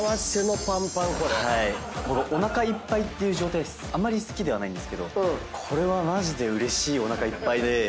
僕おなかいっぱいっていう状態あまり好きではないんですけどこれはマジでうれしいおなかいっぱいで。